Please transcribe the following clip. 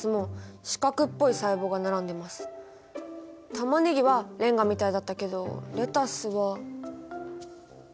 タマネギはレンガみたいだったけどレタスは。